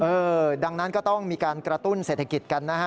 เออดังนั้นก็ต้องมีการกระตุ้นเศรษฐกิจกันนะฮะ